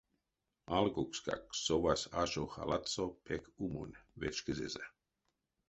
Алкукскак совась ашо халатсо пек умонь вечкезезэ.